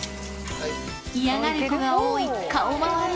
嫌がる子が多い顔周り。